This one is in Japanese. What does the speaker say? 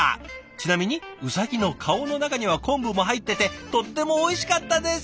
ちなみにうさぎの顔の中には昆布も入っててとってもおいしかったです！